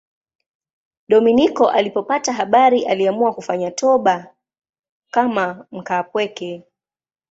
Dominiko alipopata habari aliamua kufanya toba kama mkaapweke.